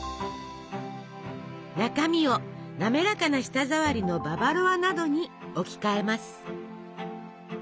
中身を滑らかな舌触りのババロアなどに置き換えます。